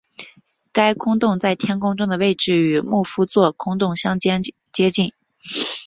该空洞在天空中的位置与牧夫座空洞相接近。